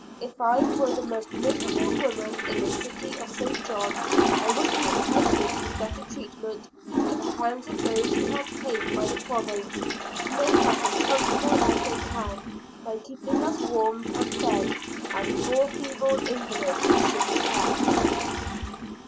If I were the most miserable woman in the city of St. John, I would be entitled to better treatment at the hands of those who are paid by the Province to make us as comfortable as they can, by keeping us warmed and fed, as poor feeble invalids should be kept.